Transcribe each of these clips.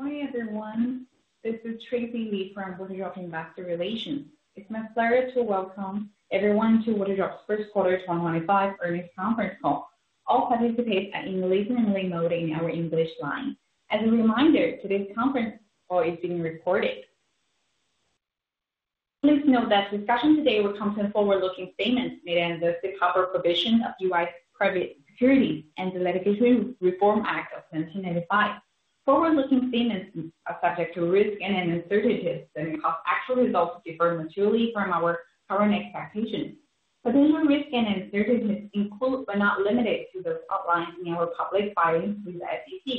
Morning, everyone. This is Tracy Lee from Waterdrop Ambassador Relations. It's my pleasure to welcome everyone to Waterdrop's first quarter 2025 earnings conference call. All participants are enabled in our English line. As a reminder, today's conference call is being recorded. Please note that discussion today will come from forward-looking statements made under the provision of U.S. Private Securities and the Litigation Reform Act of 1995. Forward-looking statements are subject to risk and uncertainties, and the actual results differ materially from our current expectations. Potential risks and uncertainties include but are not limited to those outlined in our public filings with the SEC.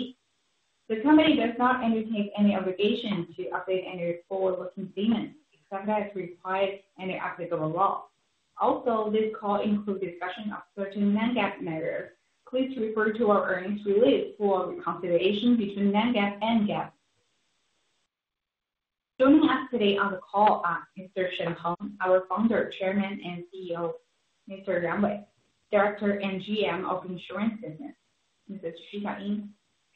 The company does not undertake any obligation to update any forward-looking statements except as required under applicable law. Also, this call includes discussion of certain non-GAAP matters. Please refer to our earnings release for consideration between non-GAAP and GAAP. Joining us today on the call are Mr. Shen Peng, our founder, chairman, and CEO, Mr. Wei Ran, director and GM of Insurance Business, Mrs. Xiaoying,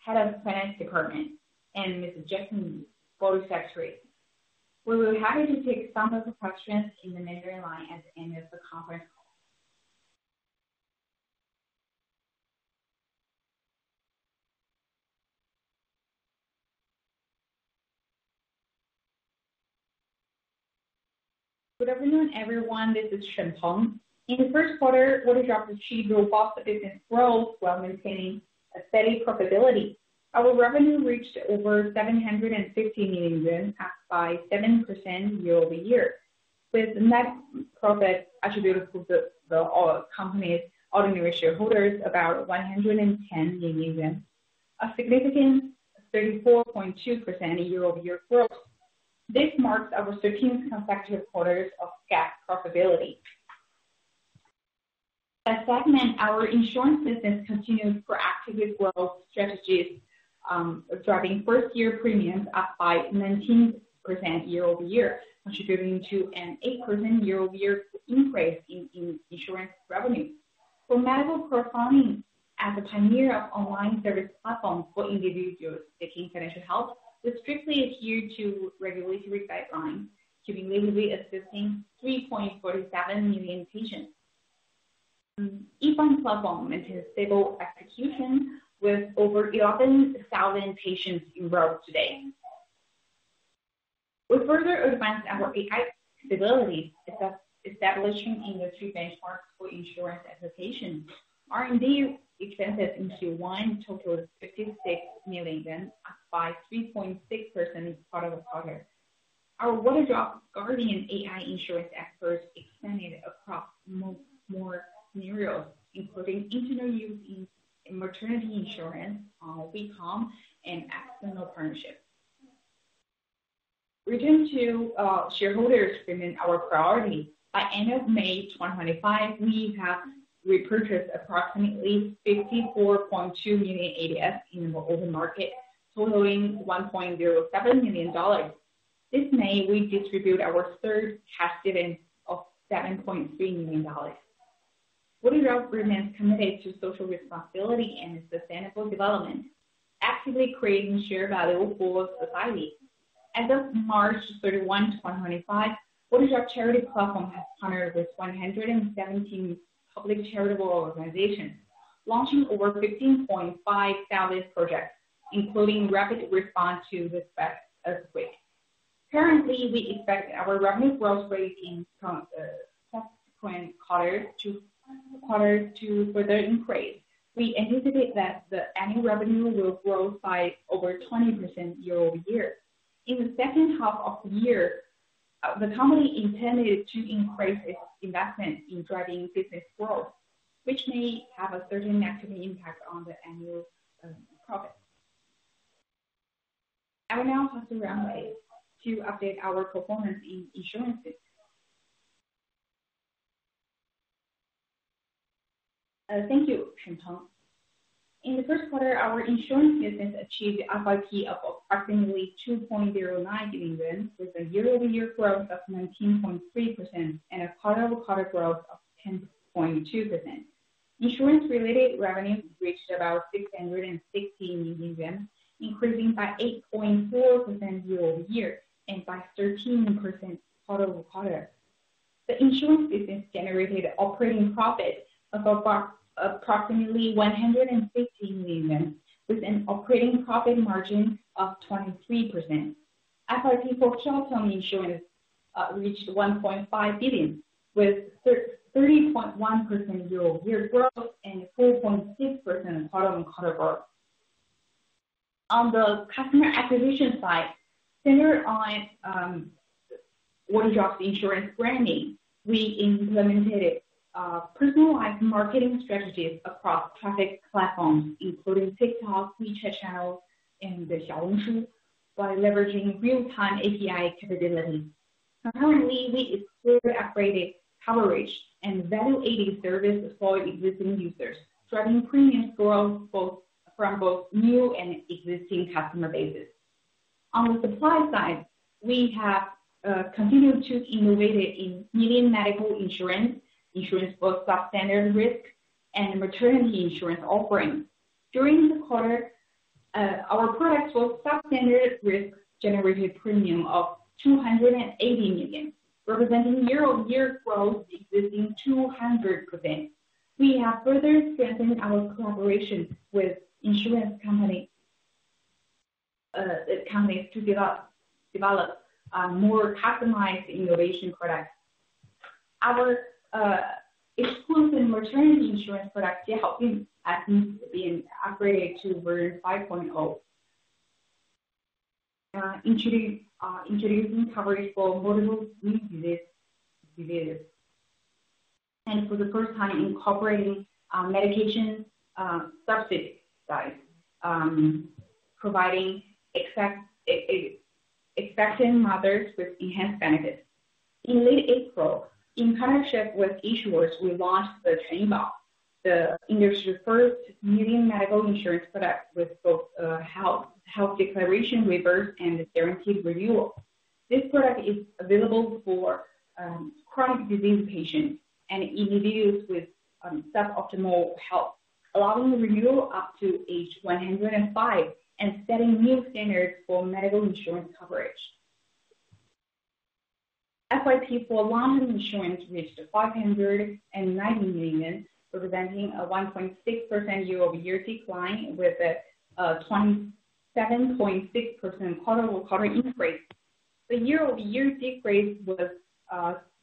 head of Finance Department, and Mr. Jasmin Yu, Board of Directors. We will be happy to take some of your questions in the measuring line at the end of the conference. Good afternoon, everyone. This is Shen Peng. In the first quarter, Waterdrop achieved robust business growth while maintaining steady profitability. Our revenue reached over 750 million yuan, up by 7% year-over-year, with net profit attributed to the company's ordinary shareholders about RMB 110 million, a significant 34.2% year-over-year growth. This marks our 13th consecutive quarter of GAAP profitability. As segment, our insurance business continues proactive with growth strategies, driving first-year premiums up by 19% year-over-year, contributing to an 8% year-over-year increase in insurance revenue. For medical profiling, as a pioneer of online service platforms for individuals seeking financial help, we strictly adhere to regulatory guidelines, giving legally assisting 3.47 million patients. The e-phone platform maintains stable execution, with over 11,000 patients enrolled today. We further advance our AI capabilities, establishing industry benchmarks for insurance applications. R&D expanded into one total of RMB 56 million, up by 3.6% quarter-over-quarter. Our Waterdrop Guardian AI insurance efforts expanded across more scenarios, including internal use in maternity insurance, WeCom, and external partnerships. Returning to shareholders' statements, our priorities: by the end of May 2025, we have repurchased approximately 54.2 million ADS in the global market, totaling $1.07 million. This May, we distribute our third cash dividend of $7.3 million. Waterdrop remains committed to social responsibility and sustainable development, actively creating shared value for society. As of March 31, 2025, Waterdrop Charity Platform has partnered with 117 public charitable organizations, launching over 15,500 projects, including rapid response to the SPEC earthquake. Currently, we expect our revenue growth rate in subsequent quarters to further increase. We anticipate that the annual revenue will grow by over 20% year-over-year. In the second half of the year, the company intended to increase its investment in driving business growth, which may have a certain negative impact on the annual profits. I will now pass it around to update our performance in insurance business. Thank you, Shen Peng. In the first quarter, our insurance business achieved an FYP of approximately RMB 2.09 million, with a year-over-year growth of 19.3% and a quarter-over-quarter growth of 10.2%. Insurance-related revenues reached about RMB 660 million, increasing by 8.4% year-over-year and by 13% quarter-over-quarter. The insurance business generated operating profit of approximately 150 million, with an operating profit margin of 23%. FYP for ChainBox Insurance reached 1.5 billion, with 30.1% year-over-year growth and 4.6% quarter-over-quarter. On the customer acquisition side, centered on Waterdrop's insurance branding, we implemented personalized marketing strategies across traffic platforms, including TikTok, WeChat channels, and Xiaohongshu, by leveraging real-time API capabilities. Currently, we explored upgraded coverage and value-added service for existing users, driving premium growth from both new and existing customer bases. On the supply side, we have continued to innovate in median medical insurance, insurance for substandard risk, and maternity insurance offerings. During the quarter, our products for substandard risk generated a premium of 280 million, representing year-over-year growth exceeding 200%. We have further strengthened our collaboration with insurance companies to develop more customized innovation products. Our exclusive maternity insurance product, Xiaoping, has been upgraded to version 5.0, introducing coverage for multiple diseases. For the first time, incorporating medication subsidy side, providing expectant mothers with enhanced benefits. In late April, in partnership with issuers, we launched the ChainBox, the industry's first median medical insurance product with both health declaration reverse and guaranteed renewal. This product is available for chronic disease patients and individuals with suboptimal health, allowing renewal up to age 105 and setting new standards for medical insurance coverage. FYP for long-term insurance reached 590 million, representing a 1.6% year-over-year decline with a 27.6% quarter-over-quarter increase. The year-over-year decrease was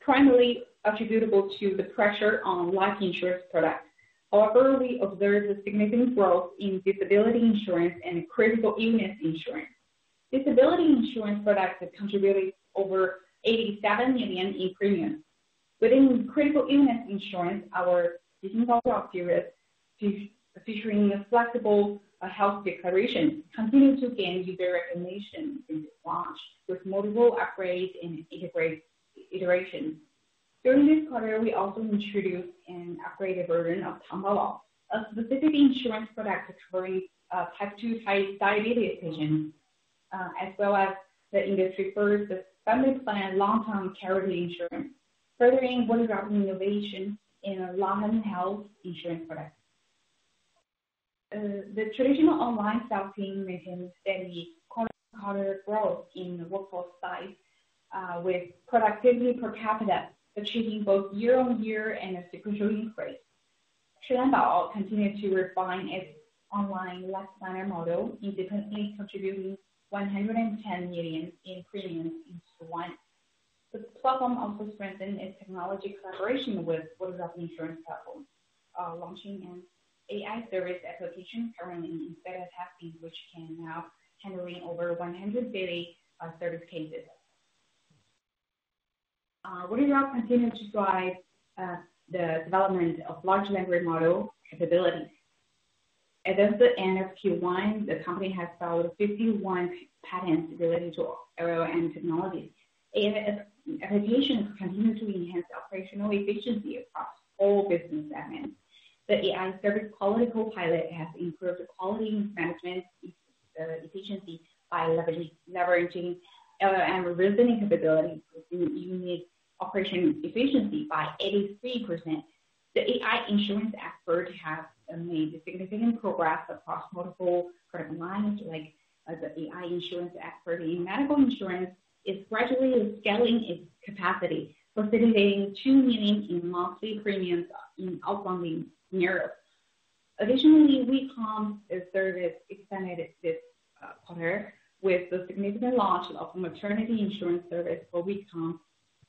primarily attributable to the pressure on life insurance products. However, we observed a significant growth in disability insurance and critical illness insurance. Disability insurance products contributed over 87 million in premium. Within critical illness insurance, our digital drug series featuring a flexible health declaration continued to gain user recognition since its launch, with multiple upgrades and integrations. During this quarter, we also introduced an upgraded version of Tangalo, a specific insurance product covering type 2 diabetes patients, as well as the industry's first family plan long-term charity insurance, furthering Waterdrop's innovation in long-term health insurance products. The traditional online sales team maintained steady quarter-to-quarter growth in the workforce size, with productivity per capita achieving both year-on-year and a sequential increase. Shen Dabao continued to refine its online lifespan model independently, contributing 110 million in premiums each month. The platform also strengthened its technology collaboration with Waterdrop Insurance Platform, launching an AI service application currently in beta testing, which can now handle over 100 daily service cases. Waterdrop continued to drive the development of large language model capabilities. As of the end of Q1, the company has filed 51 patents related to ROM technologies. AI applications continue to enhance operational efficiency across all business segments. The AI service quality copilot has improved quality management efficiency by leveraging LLM reasoning capabilities, improving unique operation efficiency by 83%. The AI insurance expert has made significant progress across multiple current lines, like the AI insurance expert in medical insurance is gradually scaling its capacity, facilitating 2 million in monthly premiums in outbound scenarios. Additionally, WeCom service expanded this quarter with the significant launch of maternity insurance service for WeCom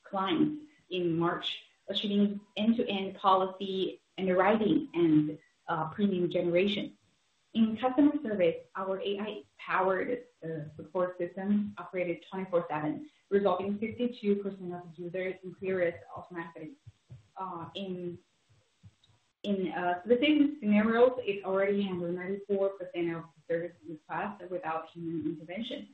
clients in March, achieving end-to-end policy underwriting and premium generation. In customer service, our AI-powered support system operated 24/7, resolving 62% of user experience automatically. In specific scenarios, it already handled 94% of the service requests without human intervention.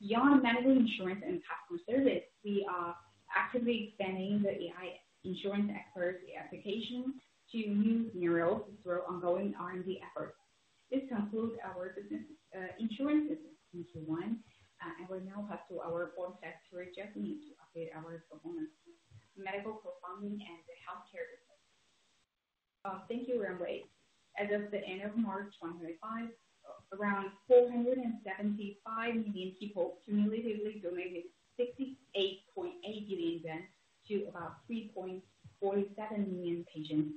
Beyond medical insurance and customer service, we are actively expanding the AI insurance expert application to new scenarios through ongoing R&D efforts. This concludes our business insurance business in Q1, and we now pass to our Board of Directors, Jasmin, to update our performance: medical profiling and the healthcare business. Thank you, Wei Ran. As of the end of March 2025, around 475 million people cumulatively donated RMB 68.8 billion to about 3.47 million patients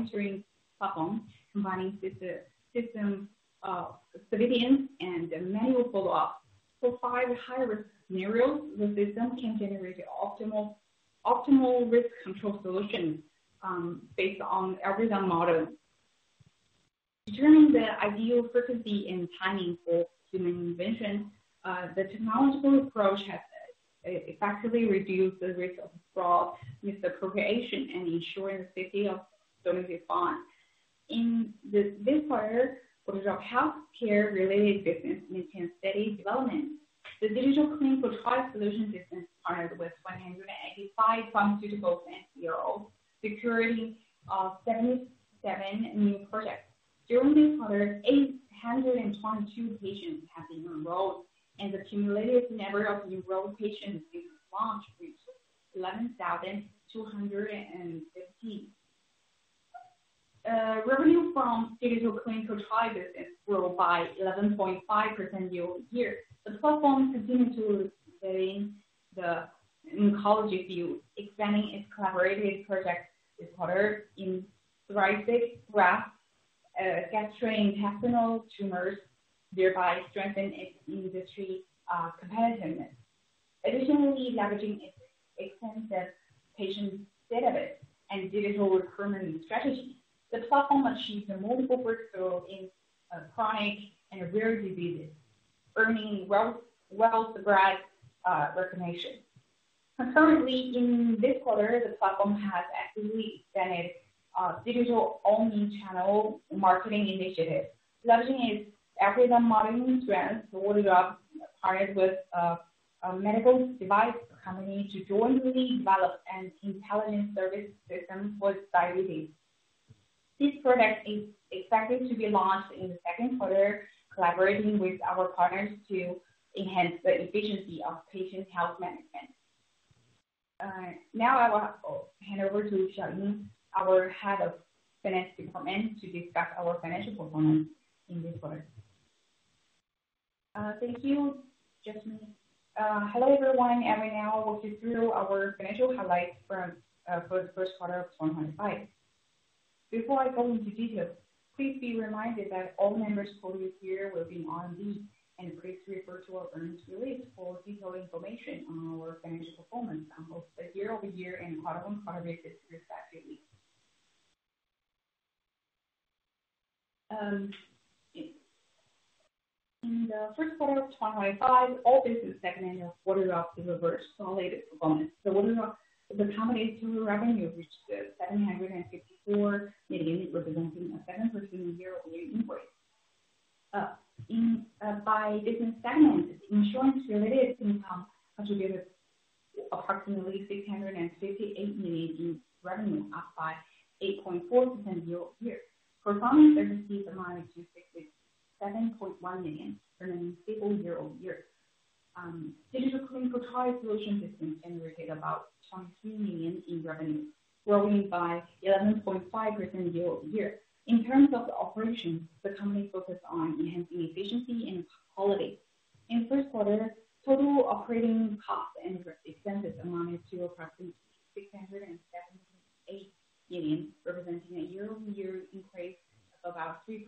monitoring platform, combining systems of civilians and manual follow-up. For five high-risk scenarios, the system can generate optimal risk control solutions based on algorithm models. Determining the ideal frequency and timing for human intervention, the technological approach has effectively reduced the risk of fraud, misappropriation, and ensuring the safety of donated funds. In this quarter, Waterdrop healthcare-related business maintained steady development. The digital clinical trial solution business partnered with 185 pharmaceuticals and CROs, securing 77 new projects. During this quarter, 822 patients have been enrolled, and the cumulative number of enrolled patients since launch reached 11,215. Revenue from digital clinical trial business grew by 11.5% year-over-year. The platform continued to expand the oncology field, expanding its collaborative projects this quarter in thoracic grafts, gastrointestinal tumors, thereby strengthening its industry competitiveness. Additionally, leveraging its extensive patient database and digital recruitment strategy, the platform achieved multiple breakthroughs in chronic and rare diseases, earning well-suppressed recognition. Concurrently, in this quarter, the platform has actively expanded digital-only channel marketing initiatives, leveraging its algorithm modeling strengths. Waterdrop partnered with a medical device company to jointly develop an intelligence service system for diabetes. This project is expected to be launched in the second quarter, collaborating with our partners to enhance the efficiency of patient health management. Now, I will hand over to Xiaoying, our Head of Finance Department, to discuss our financial performance in this quarter. Thank you, Jasmin. Hello everyone. I will now walk you through our financial highlights for the first quarter of 2025. Before I go into details, please be reminded that all members for this year will be online, and please refer to our earnings release for detailed information on our financial performance on both the year-over-year and quarter-on-quarter basis respectively. In the first quarter of 2025, all business segments of Waterdrop delivered solid performance. The company's total revenue reached RMB 754 million, representing a 7% year-over-year increase. By business segments, insurance-related income contributed approximately 658 million in revenue, up by 8.4% year-over-year. Performance services amounted to RMB 67.1 million, remaining stable year-over-year. Digital clinical trial solution business generated about 23 million in revenue, growing by 11.5% year-over-year. In terms of operations, the company focused on enhancing efficiency and quality. In the first quarter, total operating costs and risk expenses amounted to approximately 678 million, representing a year-over-year increase of about 3%.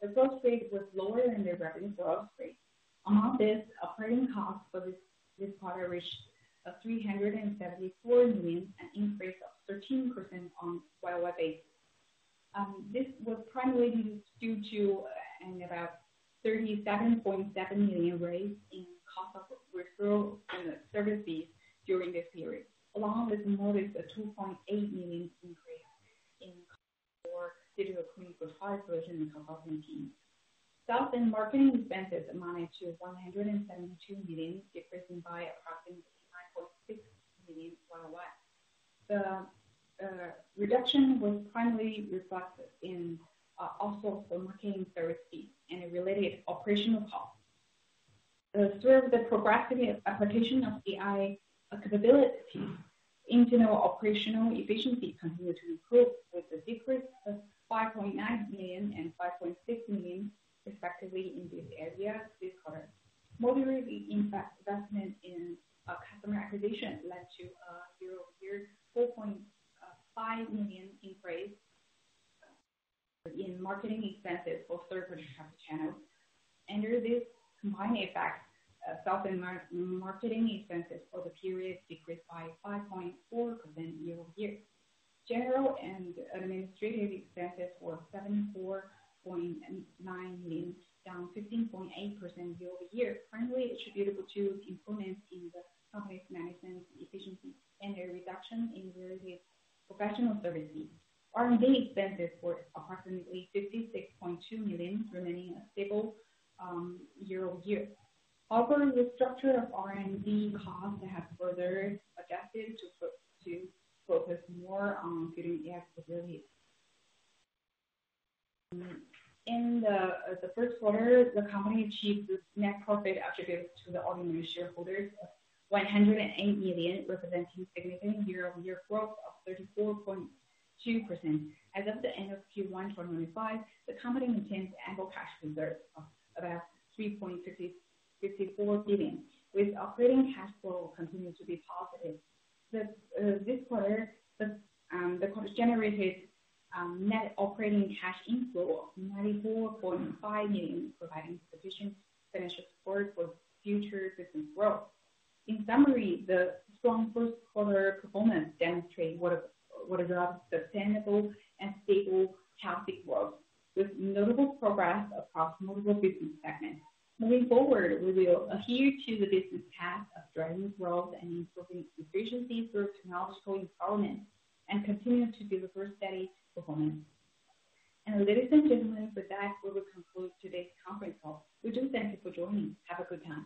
The growth rate was lower than the revenue growth rate. amounted to 172 million, decreasing by approximately 9.6 million worldwide. The reduction was primarily reflected in off-source marketing service fees and related operational costs. Through the progressive application of AI capabilities, internal operational efficiency continued to improve, with a decrease of 5.9 million and 5.6 million respectively in this area this quarter. Moderate investment in customer acquisition led to a year-over-year 4.5 million increase in marketing expenses for third-party channels. Under this combined effect, sales and marketing expenses for the period decreased by 5.4% year-over-year. General and administrative expenses were 74.9 million, down 15.8% year-over-year, primarily attributable to improvements in the complex management efficiency and a reduction in related professional service fees. R&D expenses were approximately 56.2 million, remaining a stable year-over-year. However, the structure of R&D costs has further adjusted to focus more on getting AI capabilities. In the first quarter, the company achieved net profit attributed to the ordinary shareholders of 108 million, representing significant year-over-year growth of 34.2%. As of the end of Q1 2025, the company maintained annual cash reserves of about 3.64 billion, with operating cash flow continuing to be positive. This quarter, the quarter generated net operating cash inflow of 94.5 million, providing sufficient financial support for future business growth. In summary, the strong first-quarter performance demonstrates Waterdrop's sustainable and stable healthy growth, with notable progress across multiple business segments. Moving forward, we will adhere to the business path of driving growth and improving efficiencies through technological empowerment and continue to deliver steady performance. Ladies and gentlemen, with that, we will conclude today's conference call. We do thank you for joining. Have a good time.